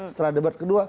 setelah debat kedua